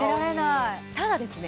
顔にただですね